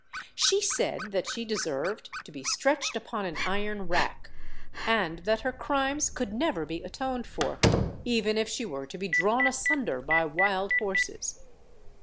She said that she deserved to be stretched upon an iron rack, and that her crimes could never be atoned for, even if she were to be drawn asunder by wild horses.